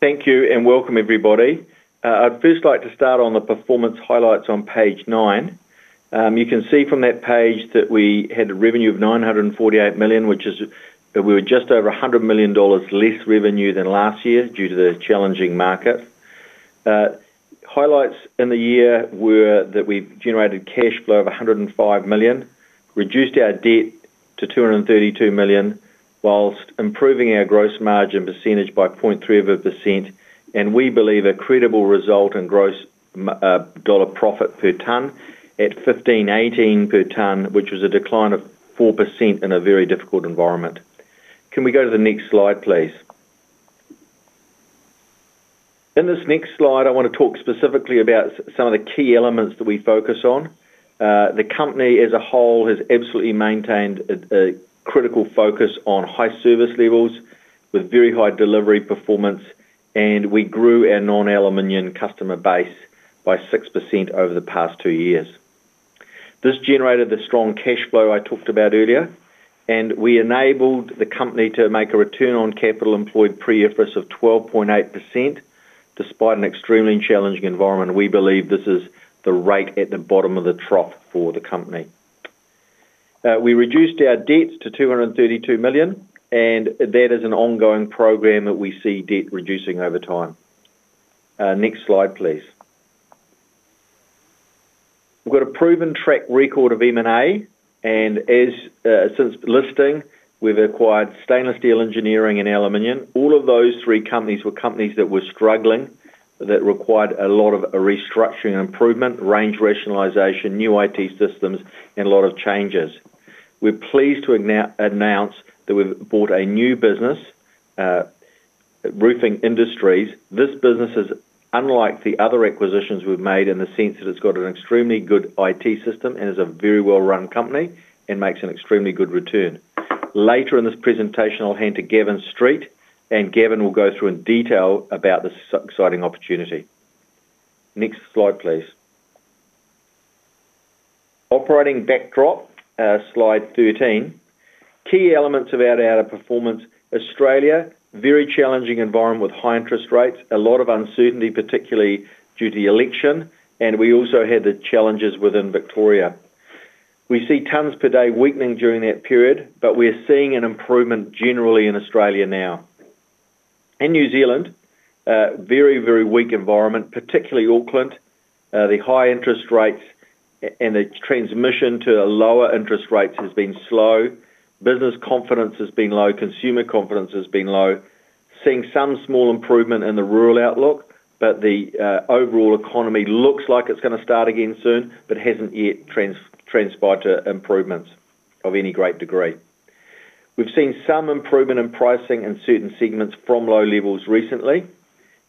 Thank you and welcome, everybody. I'd first like to start on the performance highlights on page nine. You can see from that page that we had a revenue of 948 million, which is we were just over 100 million dollars less revenue than last year due to the challenging market. Highlights in the year were that we generated cash flow of 105 million, reduced our debt to 232 million, whilst improving our gross margin percentage by 0.3% and we believe a credible result in gross dollar profit per ton at 15.18 per ton, which was a decline of 4% in a very difficult environment. Can we go to the next slide, please? In this next slide, I want to talk specifically about some of the key elements that we focus on. The company as a whole has absolutely maintained a critical focus on high service levels with very high delivery performance, and we grew our non-aluminum customer base by 6% over the past two years. This generated the strong cash flow I talked about earlier, and we enabled the company to make a return on capital employed pre-tax of 12.8% despite an extremely challenging environment. We believe this is the rate at the bottom of the trough for the company. We reduced our debt to 232 million, and that is an ongoing program that we see debt reducing over time. Next slide, please. We've got a proven track record of M&A, and since listing, we've acquired stainless steel engineering and aluminum. All of those three companies were companies that were struggling, that required a lot of restructuring and improvement, range rationalisation, new IT systems, and a lot of changes. We're pleased to announce that we've bought a new business, Roofing Industries. This business is unlike the other acquisitions we've made in the sense that it's got an extremely good IT system and is a very well-run company and makes an extremely good return. Later in this presentation, I'll hand to Gavin Street, and Gavin will go through in detail about this exciting opportunity. Next slide, please. Operating backdrop, slide 13. Key elements about our performance: Australia, very challenging environment with high interest rates, a lot of uncertainty, particularly due to the election, and we also had the challenges within Victoria. We see tons per day weakening during that period, but we're seeing an improvement generally in Australia now. In New Zealand, a very, very weak environment, particularly Auckland. The high interest rates and the transmission to lower interest rates has been slow. Business confidence has been low. Consumer confidence has been low. Seeing some small improvement in the rural outlook, but the overall economy looks like it's going to start again soon, but hasn't yet transpired to improvements of any great degree. We've seen some improvement in pricing in certain segments from low levels recently,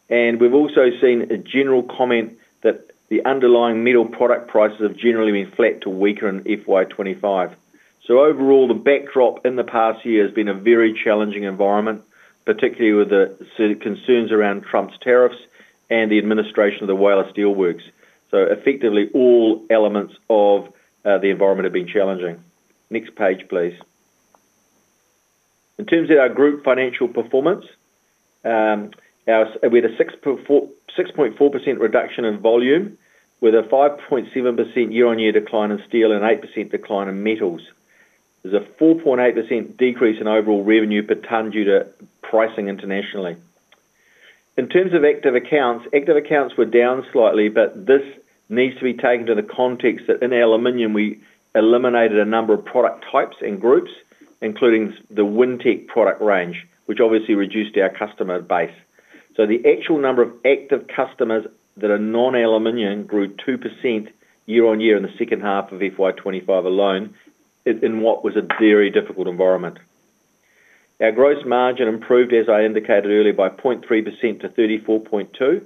and we've also seen a general comment that the underlying middle product prices have generally been flat to weaker in FY 2025. Overall, the backdrop in the past year has been a very challenging environment, particularly with the concerns around Trump's tariffs and the administration of the Whyalla Steelworks. Effectively, all elements of the environment have been challenging. Next page, please. In terms of our group financial performance, we had a 6.4% reduction in volume with a 5.7% year-on-year decline in steel and an 8% decline in metals. There's a 4.8% decrease in overall revenue per ton due to pricing internationally. In terms of active accounts, active accounts were down slightly, but this needs to be taken in the context that in aluminum we eliminated a number of product types and groups, including the Wintec product range, which obviously reduced our customer base. The actual number of active customers that are non-aluminum grew 2% year-on-year in the second half of FY25 alone in what was a very difficult environment. Our gross margin improved, as I indicated earlier, by 0.3% to 34.2%.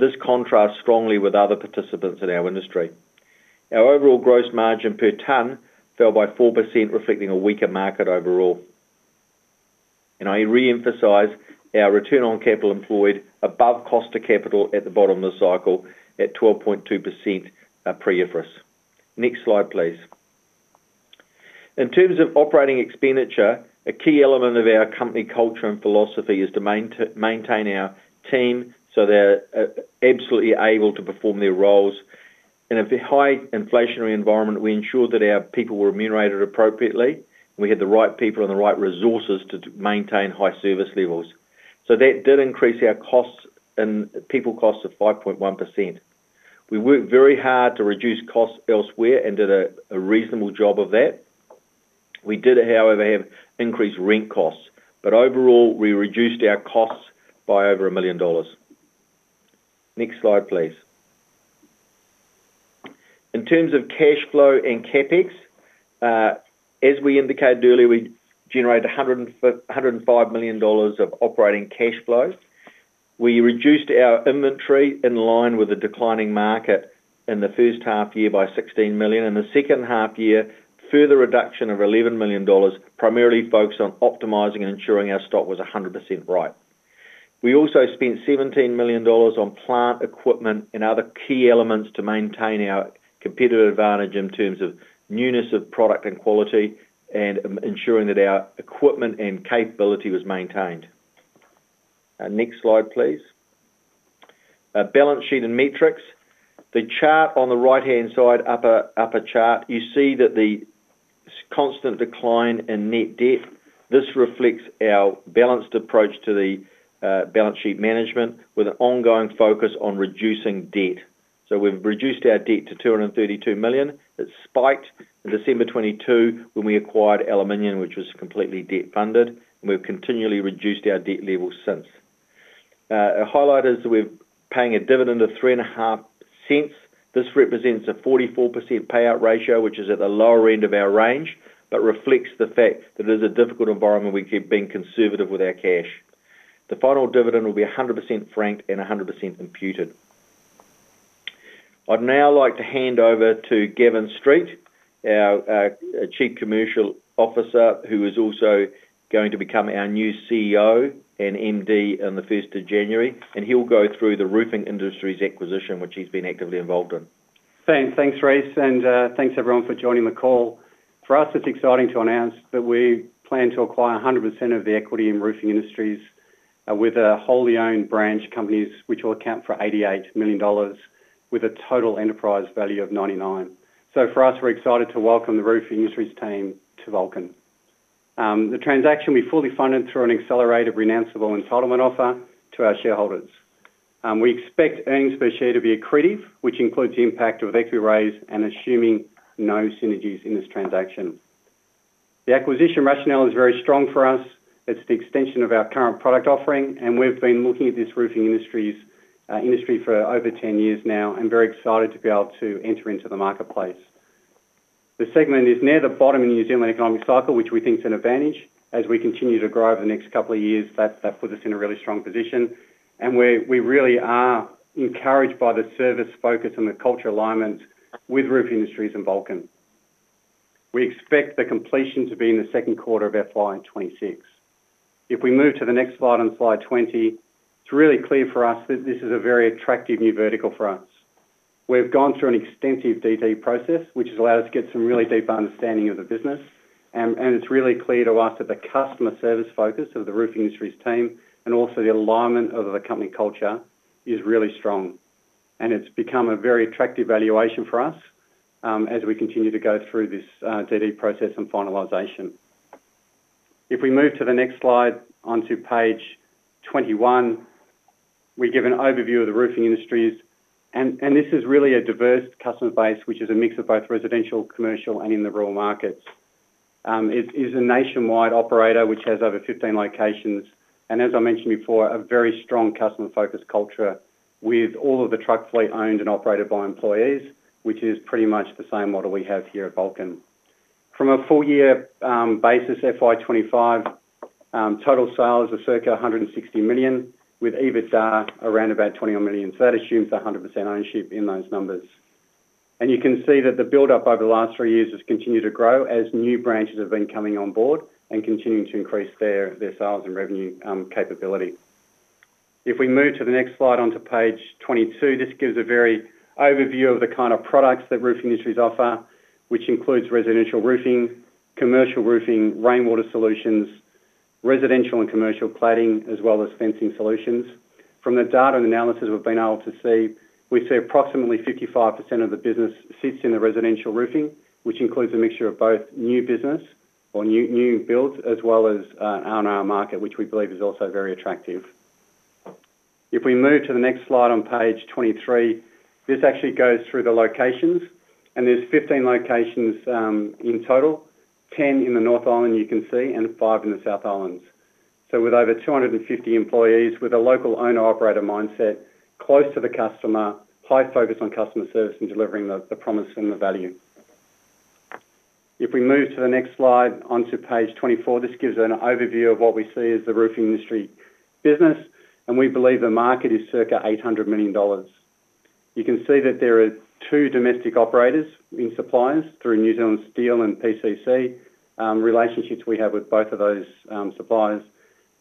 This contrasts strongly with other participants in our industry. Our overall gross margin per ton fell by 4%, reflecting a weaker market overall. I reemphasize our return on capital employed above cost of capital at the bottom of the cycle at 12.2% pre-tax. Next slide, please. In terms of operating expenditure, a key element of our company culture and philosophy is to maintain our team so they're absolutely able to perform their roles. In a high inflationary environment, we ensured that our people were remunerated appropriately, and we had the right people and the right resources to maintain high service levels. That did increase our costs in people costs to 5.1%. We worked very hard to reduce costs elsewhere and did a reasonable job of that. We did, however, have increased rent costs, but overall, we reduced our costs by over 1 million dollars. Next slide, please. In terms of cash flow and CapEx, as we indicated earlier, we generated 105 million dollars of operating cash flows. We reduced our inventory in line with a declining market in the first half year by 16 million. In the second half year, further reduction of 11 million dollars, primarily focused on optimizing and ensuring our stock was 100% right. We also spent 17 million dollars on plant equipment and other key elements to maintain our competitive advantage in terms of newness of product and quality and ensuring that our equipment and capability were maintained. Next slide, please. Balance sheet and metrics. The chart on the right-hand side, upper chart, you see the constant decline in net debt. This reflects our balanced approach to balance sheet management with an ongoing focus on reducing debt. We've reduced our debt to 232 million. It spiked in December 2022 when we acquired aluminum, which was completely debt-funded, and we've continually reduced our debt level since. Highlight is that we're paying a dividend of 3.5. This represents a 44% payout ratio, which is at the lower end of our range, but reflects the fact that it is a difficult environment and we keep being conservative with our cash. The final dividend will be 100% franked and 100% imputed. I'd now like to hand over to Gavin Street, our Chief Commercial Officer, who is also going to become our new CEO and Managing Director on the 1st of January, and he'll go through the Roofing Industries acquisition, which he's been actively involved in. Thanks, Rhys, and thanks, everyone, for joining the call. For us, it's exciting to announce that we plan to acquire 100% of the equity in Roofing Industries with wholly owned branch companies, which will account for 88 million dollars, with a total enterprise value of 99 million. For us, we're excited to welcome the Roofing Industries team to Vulcan. The transaction will be fully funded through an accelerated renounceable entitlement offer to our shareholders. We expect earnings per share to be accretive, which includes the impact of equity raise and assuming no synergies in this transaction. The acquisition rationale is very strong for us. It's the extension of our current product offering, and we've been looking at this Roofing Industries industry for over 10 years now and very excited to be able to enter into the marketplace. The segment is near the bottom in New Zealand economic cycle, which we think is an advantage. As we continue to grow over the next couple of years, that puts us in a really strong position, and we really are encouraged by the service focus and the culture alignment with Roofing Industries and Vulcan. We expect the completion to be in the second quarter of FY 2026. If we move to the next slide on slide 20, it's really clear for us that this is a very attractive new vertical for us. We've gone through an extensive DD process, which has allowed us to get some really deep understanding of the business, and it's really clear to us that the customer service focus of the Roofing Industries team and also the alignment of the company culture is really strong, and it's become a very attractive valuation for us as we continue to go through this DD process and finalisation. If we move to the next slide onto page 21, we give an overview of the Roofing Industries, and this is really a diverse customer base, which is a mix of both residential, commercial, and in the rural markets. It is a nationwide operator, which has over 15 locations, and as I mentioned before, a very strong customer-focused culture with all of the truck fleet owned and operated by employees, which is pretty much the same model we have here at Vulcan. From a full-year basis, FY 2025, total sales are circa 160 million, with EBITDA around about 21 million. That assumes 100% ownership in those numbers, and you can see that the build-up over the last three years has continued to grow as new branches have been coming on board and continuing to increase their sales and revenue capability. If we move to the next slide onto page 22, this gives a very overview of the kind of products that Roofing Industries offer, which includes residential roofing, commercial roofing, rainwater solutions, residential and commercial cladding, as well as fencing solutions. From the data and analysis we've been able to see, we see approximately 55% of the business sits in the residential roofing, which includes a mixture of both new business or new builds, as well as an R&R market, which we believe is also very attractive. If we move to the next slide on page 23, this actually goes through the locations, and there's 15 locations in total, 10 in the North Island, you can see, and five in the South Islands. With over 250 employees with a local owner-operator mindset, close to the customer, high focus on customer service and delivering the promise and the value. If we move to the next slide onto page 24, this gives an overview of what we see as the Roofing Industries business, and we believe the market is circa 800 million dollars. You can see that there are two domestic operators in suppliers through New Zealand Steel and PCC relationships we have with both of those suppliers,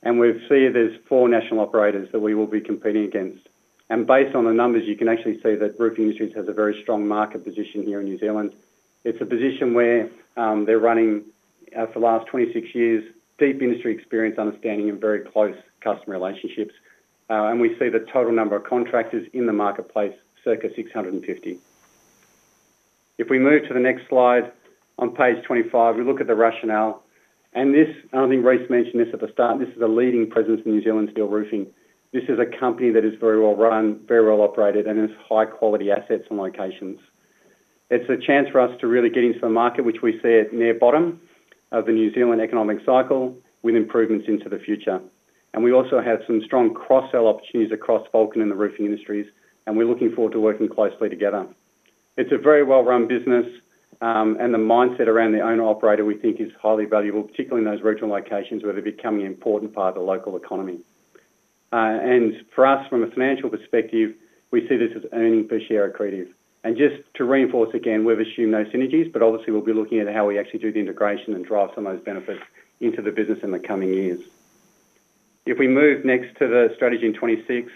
and we see there's four national operators that we will be competing against. Based on the numbers, you can actually see that Roofing Industries has a very strong market position here in New Zealand. It's a position where they're running for the last 26 years, deep industry experience, understanding, and very close customer relationships, and we see the total number of contractors in the marketplace, circa 650. If we move to the next slide on page 25, we look at the rationale, and this, I think Rhys mentioned this at the start, this is the leading presence in New Zealand steel roofing. This is a company that is very well run, very well operated, and has high-quality assets and locations. It's a chance for us to really get into the market, which we see at near bottom of the New Zealand economic cycle with improvements into the future. We also have some strong cross-sell opportunities across Vulcan and the Roofing Industries, and we're looking forward to working closely together. It's a very well-run business, and the mindset around the owner-operator we think is highly valuable, particularly in those regional locations where they're becoming an important part of the local economy. For us, from a financial perspective, we see this as earnings per share accretive. Just to reinforce again, we've assumed no synergies, but obviously we'll be looking at how we actually do the integration and drive some of those benefits into the business in the coming years. If we move next to the strategy in 2026,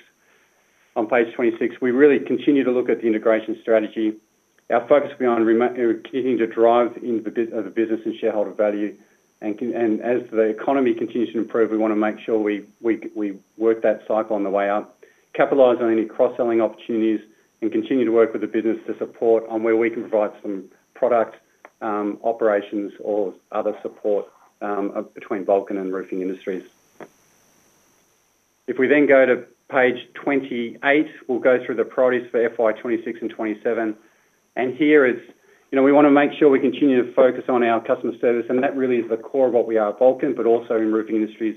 on page 26, we really continue to look at the integration strategy. Our focus will be on continuing to drive the business and shareholder value, and as the economy continues to improve, we want to make sure we work that cycle on the way up, capitalize on any cross-selling opportunities, and continue to work with the business to support on where we can provide some product operations or other support between Vulcan and Roofing Industries. If we then go to page 28, we'll go through the priorities for FY 2026 and 2027, and here it's, you know, we want to make sure we continue to focus on our customer service, and that really is the core of what we are at Vulcan, but also in Roofing Industries,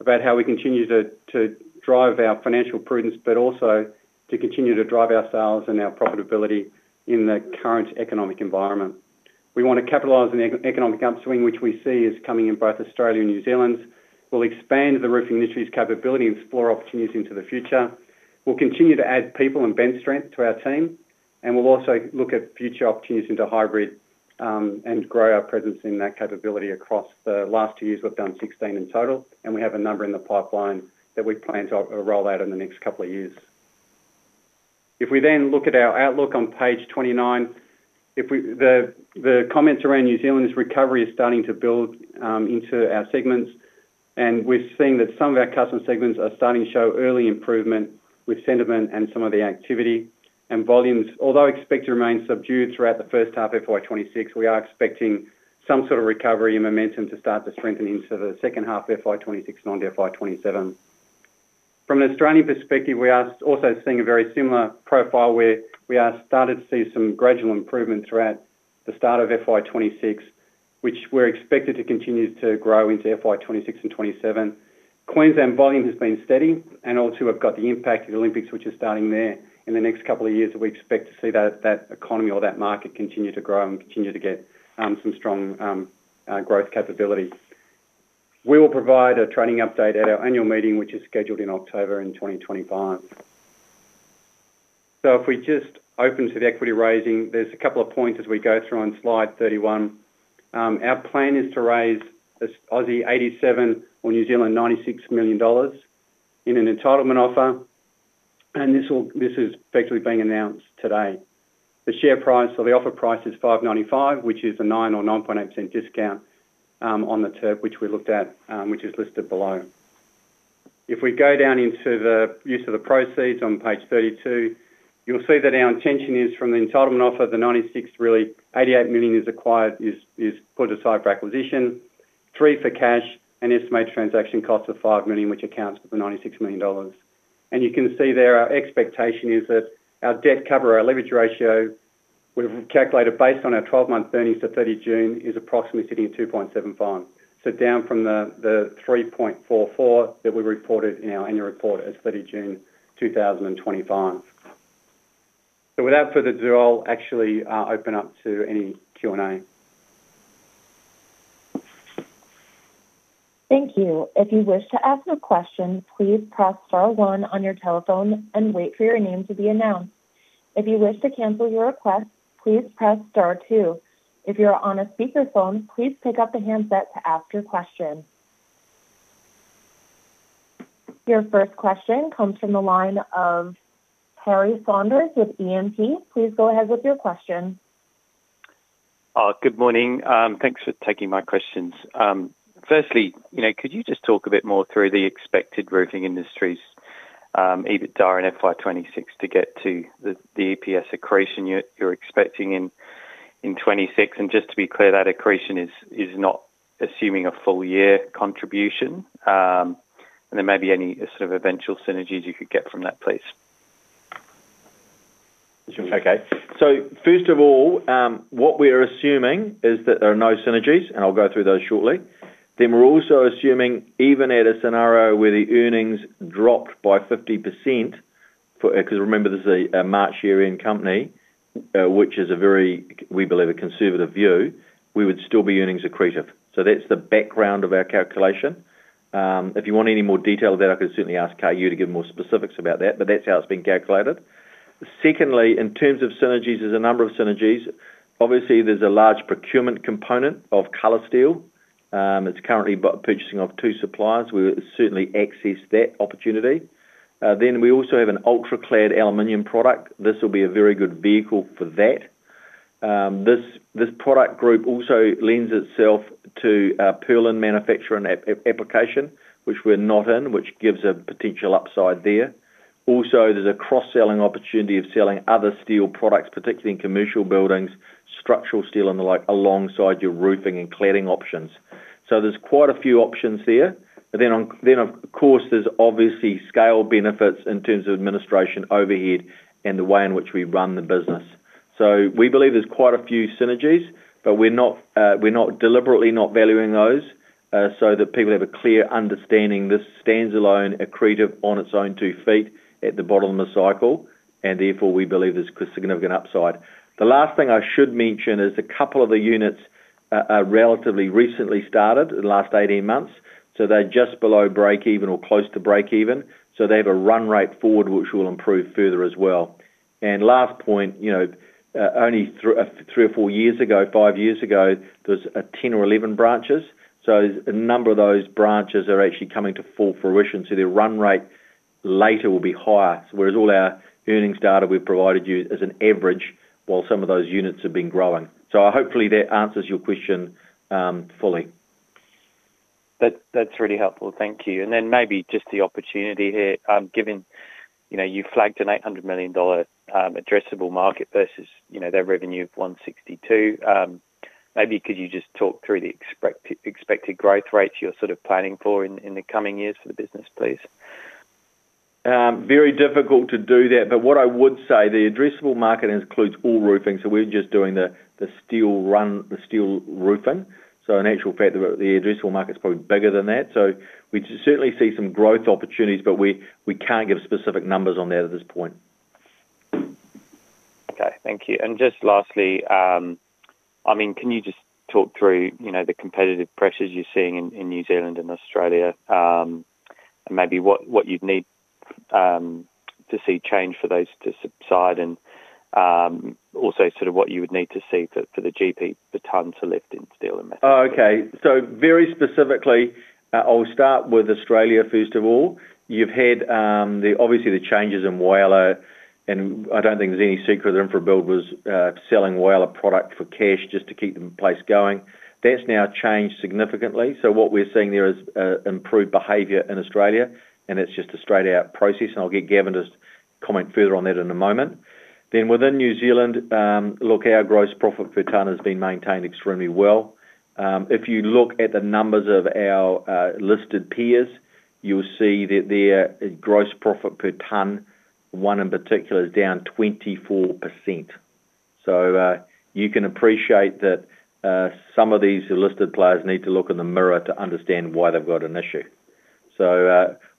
about how we continue to drive our financial prudence, but also to continue to drive our sales and our profitability in the current economic environment. We want to capitalize on the economic upswing, which we see is coming in both Australia and New Zealand. We'll expand the Roofing Industries capability and explore opportunities into the future. We'll continue to add people and bench strength to our team, and we'll also look at future opportunities into hybrid and grow our presence in that capability across the last two years. We've done 16 in total, and we have a number in the pipeline that we plan to roll out in the next couple of years. If we then look at our outlook on page 29, the comments around New Zealand's recovery are starting to build into our segments, and we're seeing that some of our customer segments are starting to show early improvement with sentiment and some of the activity and volumes. Although expected to remain subdued throughout the first half FY 2026, we are expecting some sort of recovery and momentum to start to strengthen into the second half FY 2026 onto FY 2027. From an Australian perspective, we are also seeing a very similar profile where we are starting to see some gradual improvement throughout the start of FY 2026, which we're expected to continue to grow into FY 2026 and 2027. Queensland volume has been steady, and also we've got the impact of the Olympics, which is starting there in the next couple of years, and we expect to see that economy or that market continue to grow and continue to get some strong growth capability. We will provide a trading update at our annual meeting, which is scheduled in October in 2025. If we just open to the equity raising, there's a couple of points as we go through on slide 31. Our plan is to raise 87 million or 96 million dollars in an entitlement offer, and this is effectively being announced today. The offer price is 5.95, which is a 9% or 9.8% discount on the term, which we looked at, which is listed below. If we go down into the use of the proceeds on page 32, you'll see that our intention is from the entitlement offer the 96 million really, 88 million is acquired, is put aside for acquisition, 3 million for cash, and estimated transaction costs of 5 million, which accounts for the 96 million dollars. You can see there our expectation is that our debt cover or our leverage ratio, we've calculated based on our 12-month earnings to 30 June, is approximately sitting at 2.75. Down from the 3.44 that we reported in our annual report as of 30 June 2025. Without further ado, I'll actually open up to any Q&A. Thank you. If you wish to ask a question, please press star one on your telephone and wait for your name to be announced. If you wish to cancel your request, please press star two. If you're on a speaker phone, please pick up the handset to ask your question. Your first question comes from the line of Harry Saunders with E&P. Please go ahead with your question. Good morning. Thanks for taking my questions. Firstly, could you just talk a bit more through the expected Roofing Industries EBITDA in FY 2026 to get to the EPS accretion you're expecting in 2026? Just to be clear, that accretion is not assuming a full year contribution, and there may be any sort of eventual synergies you could get from that, please. Okay. First of all, what we're assuming is that there are no synergies, and I'll go through those shortly. We're also assuming even at a scenario where the earnings dropped by 50%, because remember this is a March year-end company, which is a very, we believe, a conservative view, we would still be earnings accretive. That's the background of our calculation. If you want any more detail of that, I could certainly ask Kar Yue to give more specifics about that, but that's how it's been calculated. Secondly, in terms of synergies, there's a number of synergies. Obviously, there's a large procurement component of Coloursteel. It's currently purchasing off two suppliers. We'll certainly access that opportunity. We also have an ultra-clad aluminum product. This will be a very good vehicle for that. This product group also lends itself to a purlin manufacturing application, which we're not in, which gives a potential upside there. There's a cross-selling opportunity of selling other steel products, particularly in commercial buildings, structural steel and the like, alongside your roofing and cladding options. There's quite a few options there. Of course, there's obviously scale benefits in terms of administration overhead and the way in which we run the business. We believe there's quite a few synergies, but we're deliberately not valuing those so that people have a clear understanding this stands alone accretive on its own two feet at the bottom of the cycle, and therefore, we believe there's a significant upside. The last thing I should mention is a couple of the units are relatively recently started in the last 18 months, so they're just below break-even or close to break-even. They have a run rate forward, which will improve further as well. Last point, only three or four years ago, five years ago, there were 10 or 11 branches. A number of those branches are actually coming to full fruition, so their run rate later will be higher. Whereas all our earnings data we've provided you as an average while some of those units have been growing. Hopefully, that answers your question fully. That's really helpful. Thank you. Maybe just the opportunity here, given you know, you flagged an 800 million dollar addressable market versus their revenue of 162 million. Maybe could you just talk through the expected growth rates you're sort of planning for in the coming years for the business, please? Very difficult to do that, but what I would say, the addressable market includes all roofing, so we're just doing the steel roofing. In actual fact, the addressable market's probably bigger than that. We certainly see some growth opportunities, but we can't give specific numbers on that at this point. Okay. Thank you. Just lastly, can you talk through the competitive pressures you're seeing in New Zealand and Australia? Maybe what you'd need to see change for those to subside, and also what you would need to see for the GP per ton to lift in steel and metal. Okay. Very specifically, I'll start with Australia first of all. You've had obviously the changes in Whyalla, and I don't think there's any secret of them for builders selling Whyalla product for cash just to keep the place going. That's now changed significantly. What we're seeing there is improved behavior in Australia, and it's just a straight-out process. I'll get Gavin to comment further on that in a moment. Within New Zealand, our gross profit per ton has been maintained extremely well. If you look at the numbers of our listed peers, you'll see that their gross profit per ton, one in particular, is down 24%. You can appreciate that some of these listed players need to look in the mirror to understand why they've got an issue.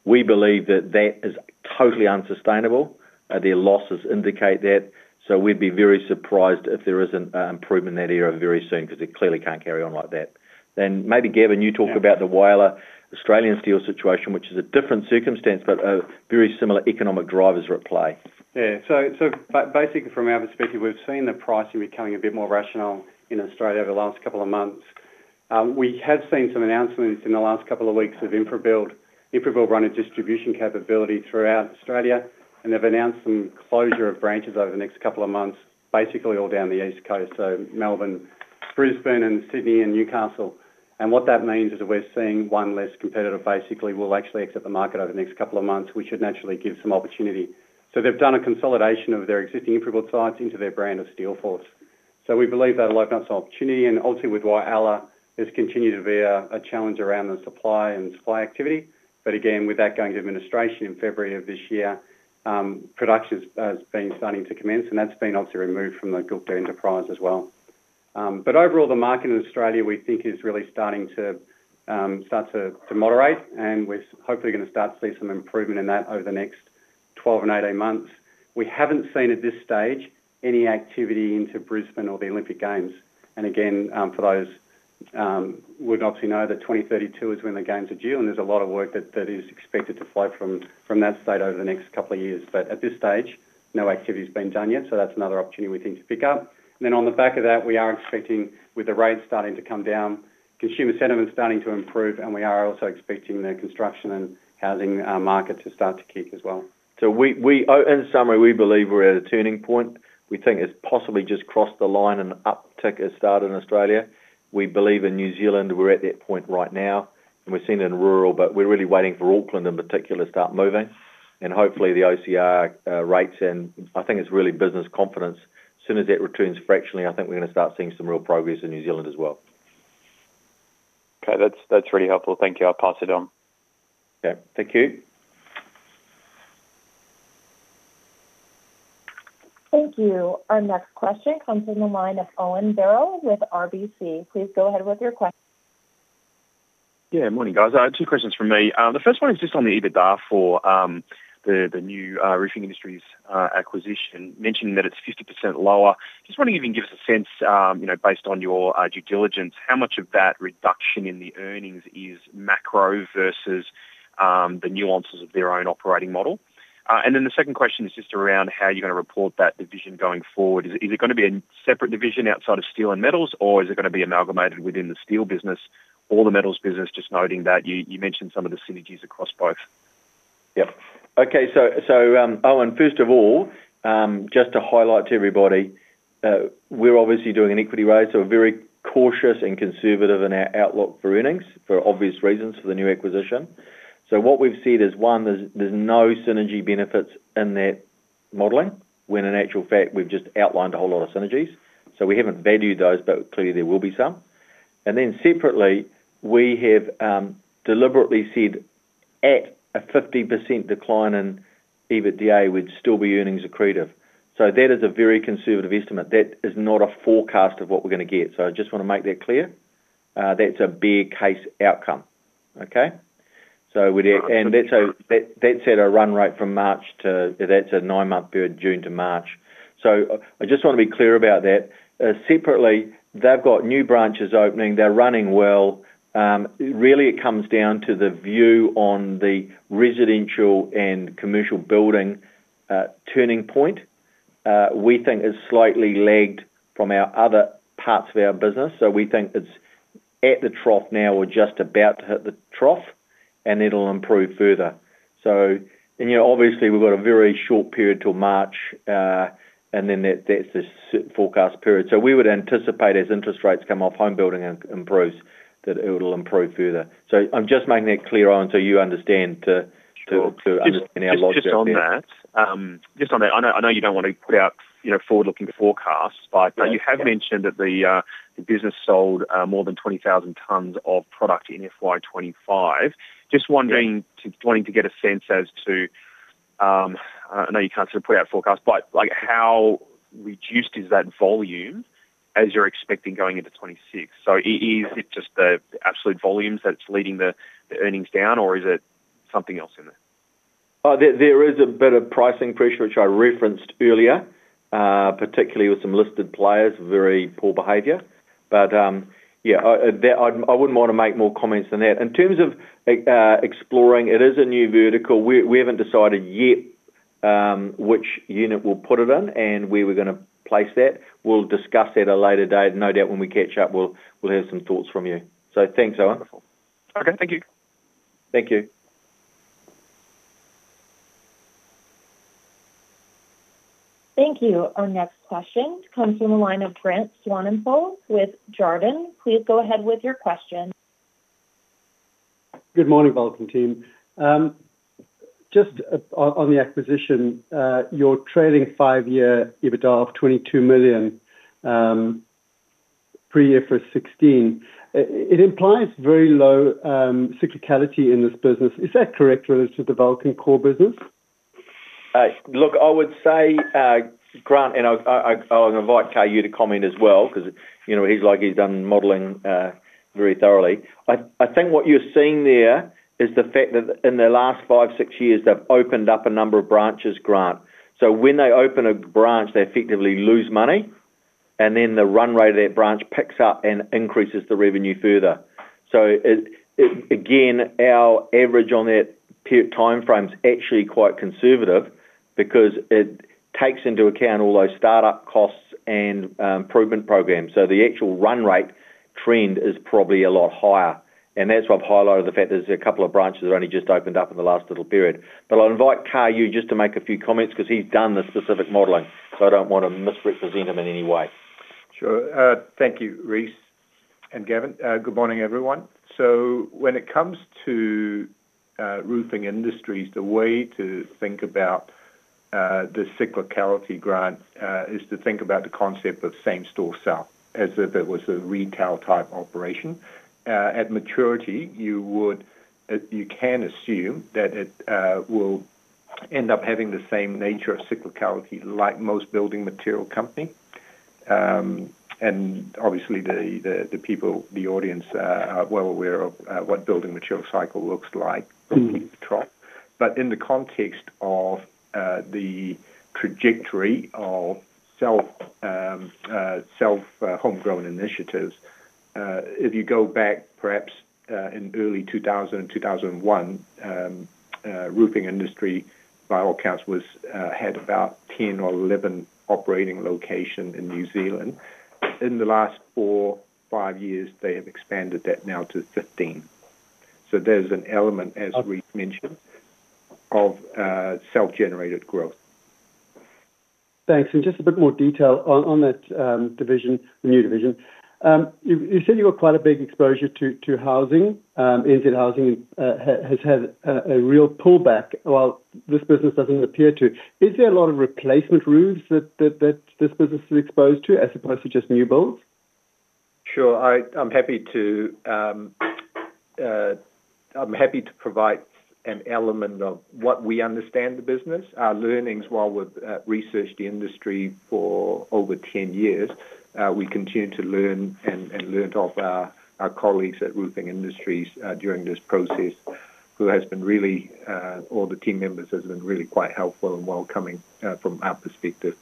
We believe that that is totally unsustainable. Their losses indicate that, so we'd be very surprised if there isn't an improvement in that area very soon because it clearly can't carry on like that. Gavin, maybe you talk about the Whyalla Australian steel situation, which is a different circumstance, but a very similar economic driver is at play. Yeah. Basically, from our perspective, we've seen the pricing becoming a bit more rational in Australia over the last couple of months. We have seen some announcements in the last couple of weeks with InfraBuild running distribution capability throughout Australia, and they've announced some closure of branches over the next couple of months, basically all down the East Coast, so Melbourne, Brisbane, Sydney, and Newcastle. What that means is that we're seeing one less competitor basically will actually exit the market over the next couple of months, which would naturally give some opportunity. They've done a consolidation of their existing InfraBuild sites into their brand of Steelforce. We believe that will open up some opportunity, and obviously with Whyalla, there's continued to be a challenge around the supply and supply activity. Again, with that going to administration in February of this year, production has been starting to commence, and that's been obviously removed from the Gupta enterprise as well. Overall, the market in Australia we think is really starting to start to moderate, and we're hopefully going to start to see some improvement in that over the next 12 and 18 months. We haven't seen at this stage any activity into Brisbane or the Olympic Games. For those, we'd obviously know that 2032 is when the Games are due, and there's a lot of work that is expected to flow from that state over the next couple of years. At this stage, no activity has been done yet, so that's another opportunity we think to pick up. On the back of that, we are expecting with the rates starting to come down, consumer sentiment starting to improve, and we are also expecting the construction and housing market to start to kick as well. In summary, we believe we're at a turning point. We think it's possibly just crossed the line and uptick has started in Australia. We believe in New Zealand we're at that point right now, and we're seeing it in rural, but we're really waiting for Auckland in particular to start moving. Hopefully, the OCR rates and I think it's really business confidence, as soon as that returns fractionally, I think we're going to start seeing some real progress in New Zealand as well. Okay, that's really helpful. Thank you. I'll pass it on. Thank you. Thank you. Our next question comes from the line of Owen Birrell with RBC. Please go ahead with your question. Yeah. Morning, guys. Two questions from me. The first one is just on the EBITDA for the new Roofing Industries acquisition, mentioning that it's 50% lower. Just wondering if you can give us a sense, you know, based on your due diligence, how much of that reduction in the earnings is macro versus the nuances of their own operating model? The second question is just around how you're going to report that division going forward. Is it going to be a separate division outside of steel and metals, or is it going to be amalgamated within the steel business or the metals business, just noting that you mentioned some of the synergies across both? Okay. Owen, first of all, just to highlight to everybody, we're obviously doing an equity raise, so we're very cautious and conservative in our outlook for earnings for obvious reasons for the new acquisition. What we've seen is, one, there's no synergy benefits in that modeling when in actual fact we've just outlined a whole lot of synergies. We haven't valued those, but clearly there will be some. Separately, we have deliberately said at a 50% decline in EBITDA, we'd still be earnings accretive. That is a very conservative estimate. That is not a forecast of what we're going to get. I just want to make that clear. That's a bear case outcome. That's at a run rate from March to that's a nine-month period, June to March. I just want to be clear about that. Separately, they've got new branches opening. They're running well. Really, it comes down to the view on the residential and commercial building turning point. We think it's slightly lagged from our other parts of our business. We think it's at the trough now or just about to hit the trough, and it'll improve further. We've got a very short period till March, and then that's the certain forecast period. We would anticipate as interest rates come off, home building improves, that it'll improve further. I'm just making that clear, Owen, so you understand our logic. Just on that, I know you don't want to put out forward-looking forecasts, but you have mentioned that the business sold more than 20,000 tonnes of product in FY 2025. I just want to get a sense as to, I know you can't sort of put out forecasts, but how reduced is that volume as you're expecting going into 2026? Is it just the absolute volumes that's leading the earnings down, or is it something else in there? There is a bit of pricing pressure, which I referenced earlier, particularly with some listed players, very poor behavior. I wouldn't want to make more comments than that. In terms of exploring, it is a new vertical. We haven't decided yet which unit we'll put it in and where we're going to place that. We'll discuss it at a later date. No doubt when we catch up, we'll have some thoughts from you. Thanks, Owen. Okay, thank you. Thank you. Thank you. Our next question comes from the line of Grant Swanepoel with Jarden. Please go ahead with your question. Good morning, Vulcan team. Just on the acquisition, you're trading five-year EBITDA of 22 million per year for 2016. It implies very low cyclicality in this business. Is that correct related to the Vulcan core business? Look, I would say, Grant, and I'll invite Kar Yue to comment as well because he's done modelling very thoroughly. I think what you're seeing there is the fact that in the last five or six years, they've opened up a number of branches, Grant. When they open a branch, they effectively lose money, and then the run rate of that branch picks up and increases the revenue further. Our average on that timeframe is actually quite conservative because it takes into account all those startup costs and improvement programs. The actual run rate trend is probably a lot higher, and that's why I've highlighted the fact that there's a couple of branches that have only just opened up in the last little period. I'll invite Kar Yue just to make a few comments because he's done the specific modelling, so I don't want to misrepresent him in any way. Thank you, Rhys and Gavin. Good morning, everyone. When it comes to Roofing Industries, the way to think about the cyclicality, Grant, is to think about the concept of same-store sale as if it was a retail type operation. At maturity, you can assume that it will end up having the same nature of cyclicality like most building material companies. Obviously, the people, the audience are well aware of what building material cycle looks like in the trough. In the context of the trajectory of self-homegrown initiatives, if you go back perhaps in early 2000 and 2001, Roofing Industries by all accounts had about 10 or 11 operating locations in New Zealand. In the last four or five years, they have expanded that now to 15. There's an element, as Rhys mentioned, of self-generated growth. Thanks. Just a bit more detail on that division, the new division. You said you've got quite a big exposure to housing. NZ Housing has had a real pullback while this business doesn't appear to. Is there a lot of replacement roofs that this business is exposed to as opposed to just new builds? Sure. I'm happy to provide an element of what we understand the business, our learnings while we've researched the industry for over 10 years. We continue to learn and learned off our colleagues at Roofing Industries during this process, who have been really, all the team members have been really quite helpful and welcoming from our perspective.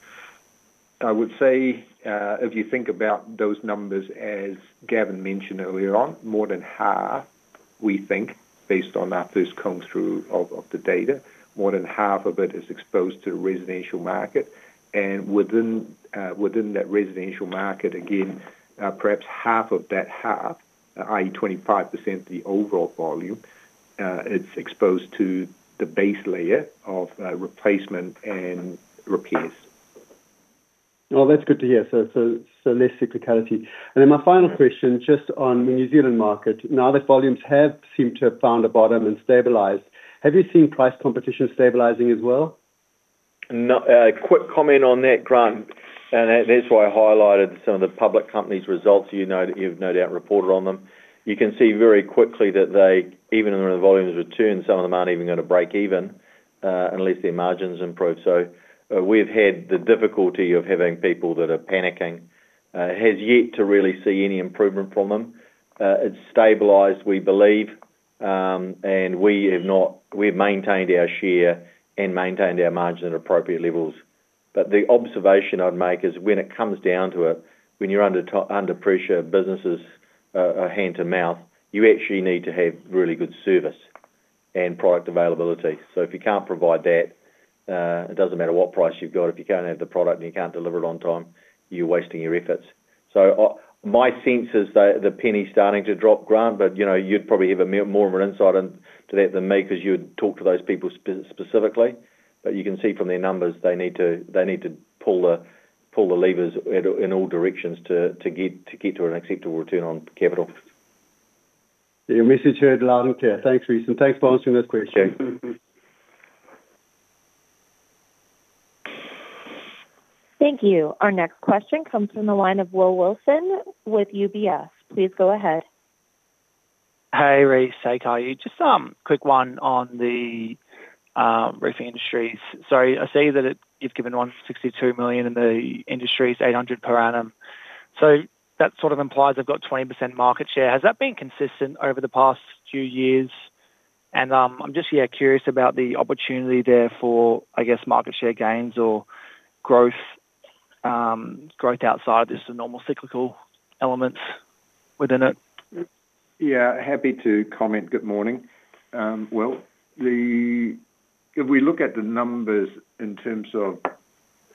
I would say if you think about those numbers, as Gavin mentioned earlier on, more than half, we think, based on our first comb through of the data, more than half of it is exposed to the residential market. Within that residential market, again, perhaps half of that half, i.e. 25% of the overall volume, is exposed to the base layer of replacement and repairs. That's good to hear. Less cyclicality. My final question just on the New Zealand market. Now that volumes have seemed to have found a bottom and stabilised, have you seen price competition stabilising as well? A quick comment on that, Grant, and that's why I highlighted some of the public companies' results. You know that you've no doubt reported on them. You can see very quickly that they, even when the volumes return, some of them aren't even going to break even unless their margins improve. We've had the difficulty of having people that are panicking. It has yet to really see any improvement from them. It's stabilized, we believe, and we have not, we've maintained our share and maintained our margins at appropriate levels. The observation I'd make is when it comes down to it, when you're under pressure, businesses are hand-to-mouth. You actually need to have really good service and product availability. If you can't provide that, it doesn't matter what price you've got. If you can't have the product and you can't deliver it on time, you're wasting your efforts. My sense is that the penny's starting to drop, Grant, but you'd probably have more of an insight into that than me because you would talk to those people specifically. You can see from their numbers they need to pull the levers in all directions to get to an acceptable return on capital. Your message heard loud and clear. Thanks, Rhys, and thanks for answering this question. Thank you. Our next question comes from the line of Will Wilson with UBS. Please go ahead. Hey, Rhys. Hey, Kar Yue. Just a quick one on the Roofing Industries. I see that you've given 162 million in the Industries, 800 million per annum. That sort of implies I've got 20% market share. Has that been consistent over the past few years? I'm just curious about the opportunity there for, I guess, market share gains or growth outside of just the normal cyclical elements within it. Yeah, happy to comment. Good morning. If we look at the numbers in terms of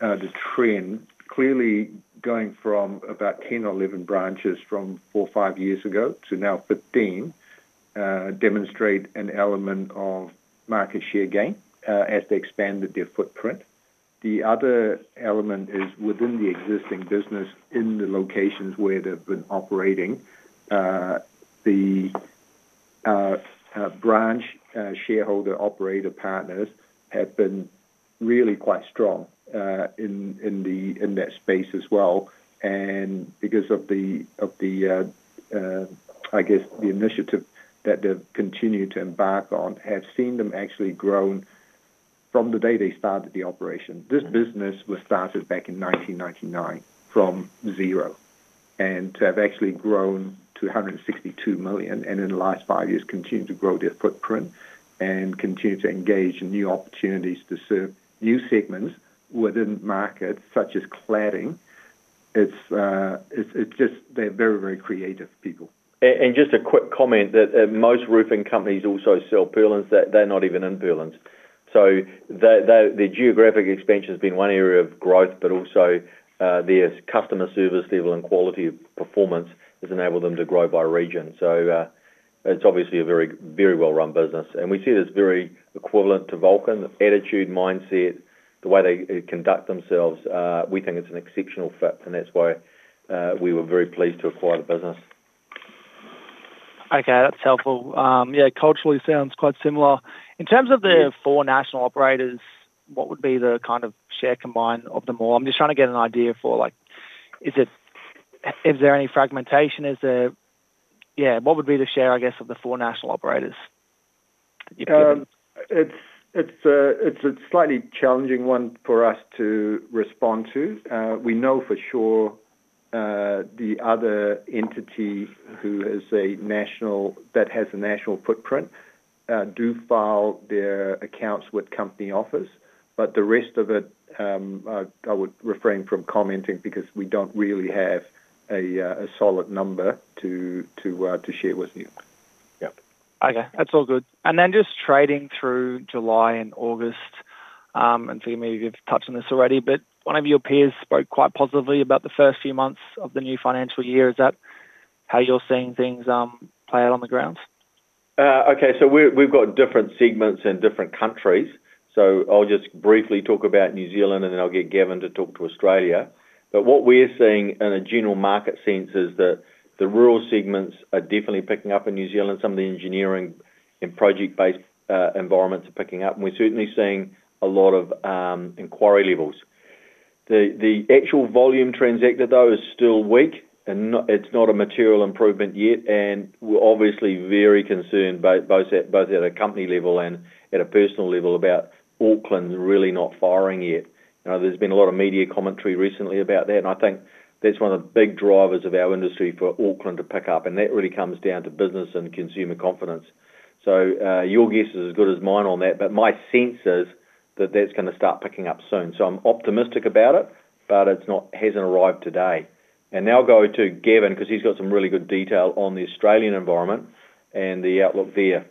the trend, clearly going from about 10 or 11 branches from four or five years ago to now 15 demonstrates an element of market share gain as they expanded their footprint. The other element is within the existing business in the locations where they've been operating, the branch shareholder operator partners have been really quite strong in that space as well. Because of the, I guess, the initiative that they've continued to embark on, I've seen them actually grow from the day they started the operation. This business was started back in 1999 from zero and has actually grown to 162 million and in the last five years continued to grow their footprint and continue to engage in new opportunities to serve new segments within markets such as cladding. They're very, very creative people. Just a quick comment that most roofing companies also sell purlins. They're not even in purlins. Their geographic expansion has been one area of growth, but also their customer service level and quality of performance has enabled them to grow by region. It's obviously a very, very well-run business. We see this very equivalent to Vulcan attitude, mindset, the way they conduct themselves. We think it's an exceptional fit, and that's why we were very pleased to acquire the business. Okay. That's helpful. Culturally sounds quite similar. In terms of the four national operators, what would be the kind of share combined of them all? I'm just trying to get an idea for, is there any fragmentation? What would be the share, I guess, of the four national operators? It's a slightly challenging one for us to respond to. We know for sure the other entity who has a national footprint does file their accounts with Company Office, but the rest of it, I would refrain from commenting because we don't really have a solid number to share with you. Okay. That's all good. Just trading through July and August, maybe you've touched on this already, but one of your peers spoke quite positively about the first few months of the new financial year. Is that how you're seeing things play out on the grounds? Okay. We've got different segments in different countries. I'll just briefly talk about New Zealand, and then I'll get Gavin to talk to Australia. What we're seeing in a general market sense is that the rural segments are definitely picking up in New Zealand. Some of the engineering and project-based environments are picking up, and we're certainly seeing a lot of inquiry levels. The actual volume transacted, though, is still weak, and it's not a material improvement yet. We're obviously very concerned both at a company level and at a personal level about Auckland really not firing yet. There's been a lot of media commentary recently about that, and I think that's one of the big drivers of our industry for Auckland to pick up, and that really comes down to business and consumer confidence. Your guess is as good as mine on that, but my sense is that that's going to start picking up soon. I'm optimistic about it, but it hasn't arrived today. I'll go to Gavin because he's got some really good detail on the Australian environment and the outlook there.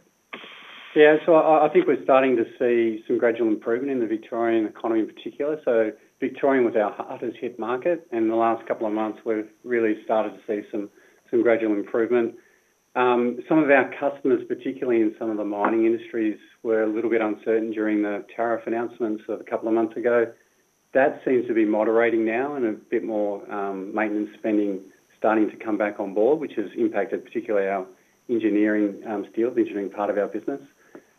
Yeah. I think we're starting to see some gradual improvement in the Victorian economy in particular. Victorian was our hardest-hit market, and in the last couple of months, we've really started to see some gradual improvement. Some of our customers, particularly in some of the mining industries, were a little bit uncertain during the tariff announcements a couple of months ago. That seems to be moderating now, and a bit more maintenance spending is starting to come back on board, which has impacted particularly our engineering steel, the engineering part of our business.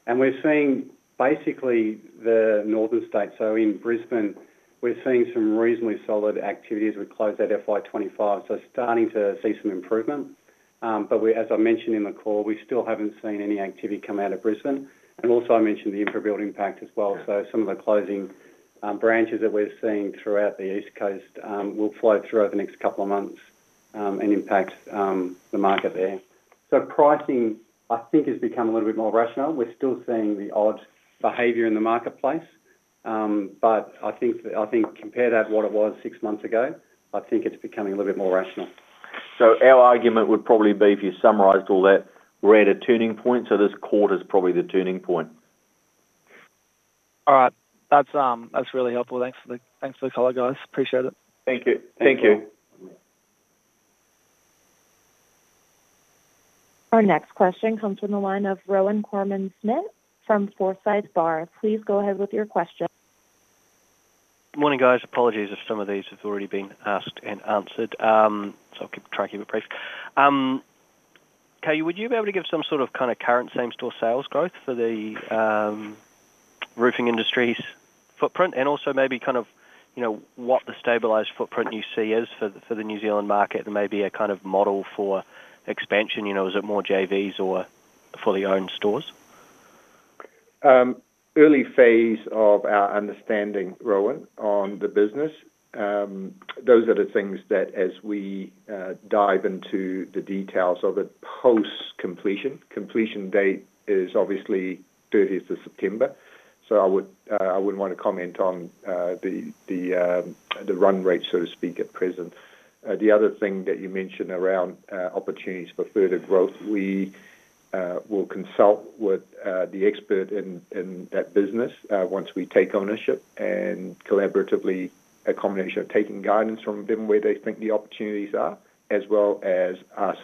We're seeing basically the northern states. In Brisbane, we're seeing some reasonably solid activities. We closed that FY 2025, starting to see some improvement. As I mentioned in the call, we still haven't seen any activity come out of Brisbane. I mentioned the InfraBuild impact as well. Some of the closing branches that we're seeing throughout the East Coast will flow throughout the next couple of months and impact the market there. Pricing, I think, has become a little bit more rational. We're still seeing the odd behavior in the marketplace, but I think compared to what it was six months ago, I think it's becoming a little bit more rational. Our argument would probably be if you summarised all that, we're at a turning point. This quarter's probably the turning point. All right. That's really helpful. Thanks for the color, guys. Appreciate it. Thank you. Thank you. Our next question comes from the line of Rohan Koreman-Smit from Forsyth Barr. Please go ahead with your question. Morning, guys. Apologies if some of these have already been asked and answered. I'll try to keep it brief. Kar Yue, would you be able to give some sort of kind of current same-store sales growth for the Roofing Industries footprint and also maybe kind of, you know, what the stabilized footprint you see is for the New Zealand market and maybe a kind of model for expansion? You know, is it more JVs or fully owned stores? Early phase of our understanding, Rohan, on the business. Those are the things that as we dive into the details of it post-completion. Completion date is obviously 30th of September. I wouldn't want to comment on the run rate, so to speak, at present. The other thing that you mentioned around opportunities for further growth, we will consult with the expert in that business once we take ownership and collaboratively a combination of taking guidance from them where they think the opportunities are, as well as us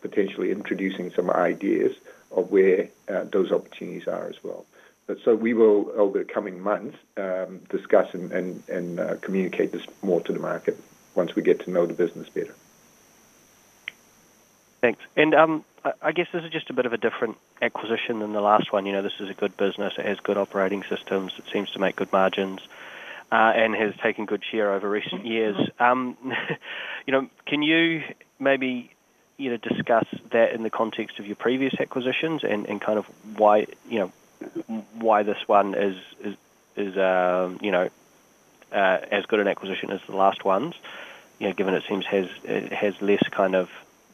potentially introducing some ideas of where those opportunities are as well. We will, over the coming months, discuss and communicate this more to the market once we get to know the business better. Thanks. This is just a bit of a different acquisition than the last one. This is a good business. It has good operating systems. It seems to make good margins and has taken good share over recent years. Can you maybe discuss that in the context of your previous acquisitions and kind of why this one is as good an acquisition as the last ones, given it seems it has less kind of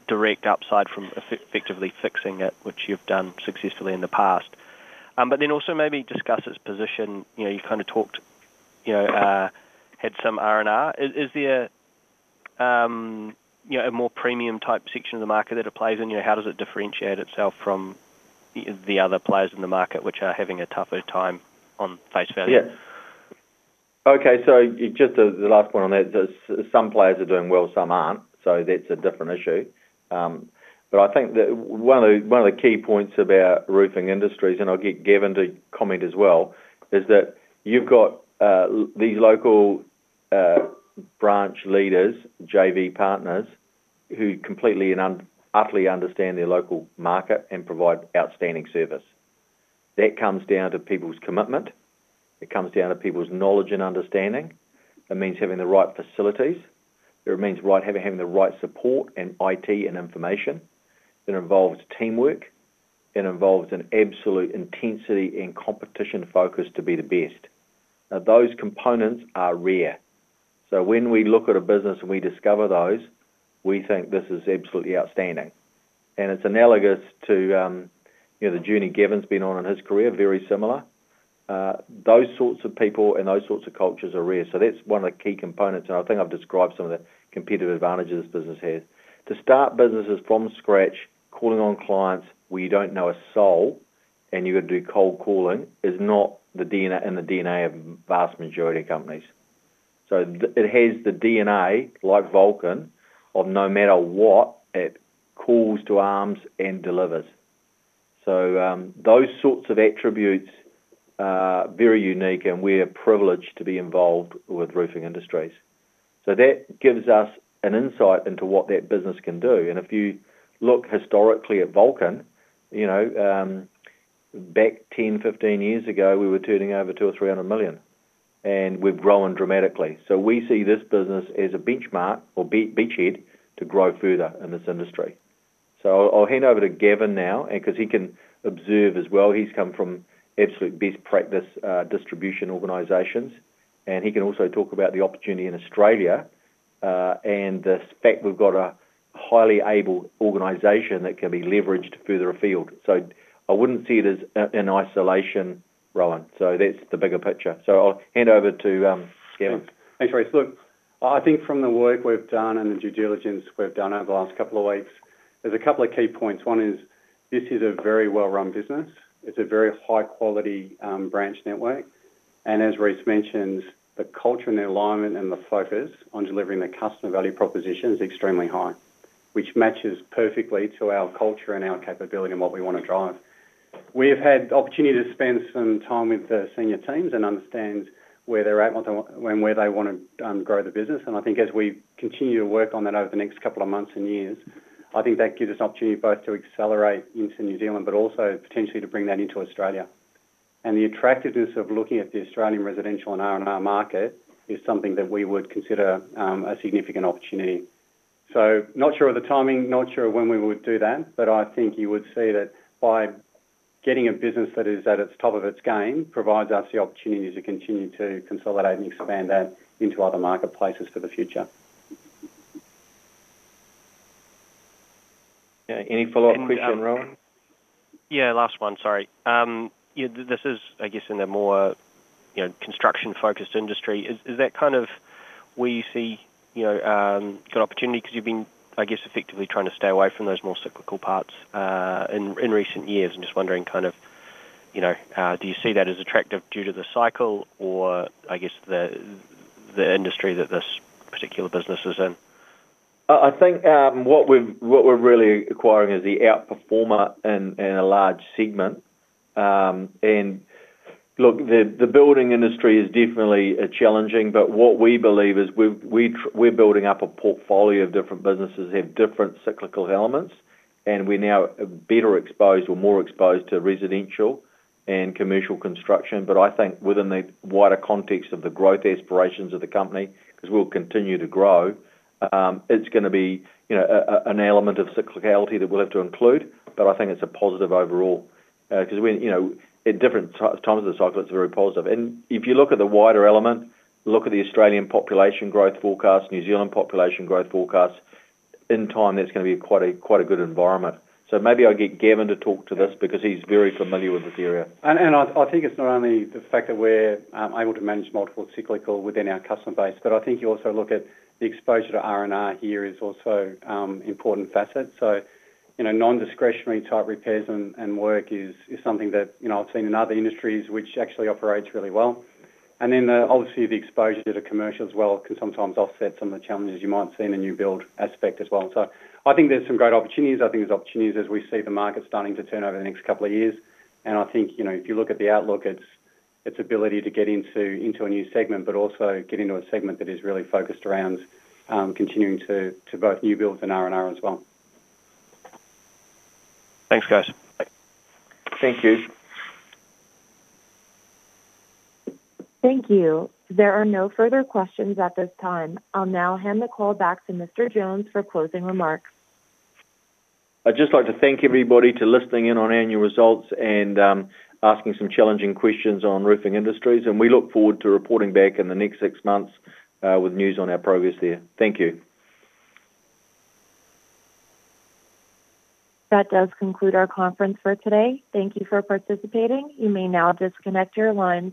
direct upside from effectively fixing it, which you've done successfully in the past? Also, maybe discuss its position. You've kind of talked, had some R&R. Is there a more premium type section of the market that it plays in? How does it differentiate itself from the other players in the market which are having a tougher time on face value? Okay. Just the last point on that, some players are doing well, some aren't. That's a different issue. I think that one of the key points about Roofing Industries, and I'll get Gavin to comment as well, is that you've got these local branch leaders, JV partners, who completely and utterly understand their local market and provide outstanding service. That comes down to people's commitment. It comes down to people's knowledge and understanding. It means having the right facilities. It means having the right support and IT and information. It involves teamwork. It involves an absolute intensity and competition focus to be the best. Those components are rare. When we look at a business and we discover those, we think this is absolutely outstanding. It's analogous to the journey Gavin's been on in his career, very similar. Those sorts of people and those sorts of cultures are rare. That's one of the key components, and I think I've described some of the competitive advantages this business has. To start businesses from scratch, calling on clients where you don't know a soul and you've got to do cold calling is not the DNA of the vast majority of companies. It has the DNA like Vulcan of no matter what, it calls to arms and delivers. Those sorts of attributes are very unique, and we're privileged to be involved with Roofing Industries. That gives us an insight into what that business can do. If you look historically at Vulcan, back 10, 15 years ago, we were turning over 200 million or 300 million, and we've grown dramatically. We see this business as a benchmark or beachhead to grow further in this industry. I'll hand over to Gavin now because he can observe as well. He's come from absolute best practice distribution organizations, and he can also talk about the opportunity in Australia and the fact we've got a highly able organization that can be leveraged further afield. I wouldn't see it as an isolation, Rowan. That's the bigger picture. I'll hand over to Gavin. Thanks, Rhys. Look, I think from the work we've done and the due diligence we've done over the last couple of weeks, there's a couple of key points. One is this is a very well-run business. It's a very high-quality branch network. As Rhys mentioned, the culture and the alignment and the focus on delivering the customer value proposition is extremely high, which matches perfectly to our culture and our capability and what we want to drive. We've had the opportunity to spend some time with the senior teams and understand where they're at and where they want to grow the business. I think as we continue to work on that over the next couple of months and years, I think that gives us an opportunity both to accelerate into New Zealand, but also potentially to bring that into Australia. The attractiveness of looking at the Australian residential and R&R market is something that we would consider a significant opportunity. Not sure of the timing, not sure when we would do that, but I think you would see that by getting a business that is at the top of its game, it provides us the opportunity to continue to consolidate and expand that into other marketplaces for the future. Yeah. Any follow-up question, Rohan? Yeah, last one. Sorry. This is, I guess, in the more construction-focused industry. Is that kind of where you see good opportunity because you've been, I guess, effectively trying to stay away from those more cyclical parts in recent years? I'm just wondering, do you see that as attractive due to the cycle or the industry that this particular business is in? I think what we're really acquiring is the outperformer in a large segment. The building industry is definitely challenging, but what we believe is we're building up a portfolio of different businesses in different cyclical elements, and we're now better exposed or more exposed to residential and commercial construction. Within the wider context of the growth aspirations of the company, because we'll continue to grow, it's going to be an element of cyclicality that we'll have to include. I think it's a positive overall because at different times of the cycle, it's very positive. If you look at the wider element, look at the Australian population growth forecast, New Zealand population growth forecast, in time, that's going to be quite a good environment. Maybe I'll get Gavin to talk to this because he's very familiar with the area. I think it's not only the fact that we're able to manage multiple cyclicals within our customer base, but I think you also look at the exposure to R&R here as an important facet. Non-discretionary type repairs and work is something that I've seen in other industries which actually operate really well. Obviously, the exposure to commercial as well can sometimes offset some of the challenges you might see in the new build aspect as well. I think there's some great opportunities. I think there's opportunities as we see the market starting to turn over the next couple of years. If you look at the outlook, it's its ability to get into a new segment, but also get into a segment that is really focused around continuing to both new builds and R&R as well. Thanks, guys. Thank you. Thank you. There are no further questions at this time. I'll now hand the call back to Mr. Jones for closing remarks. I'd just like to thank everybody for listening in on annual results and asking some challenging questions on Roofing Industries, and we look forward to reporting back in the next six months with news on our progress there. Thank you. That does conclude our conference for today. Thank you for participating. You may now disconnect your line.